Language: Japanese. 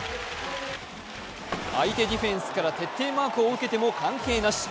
相手ディフェンスから徹底マークを受けても関係なし。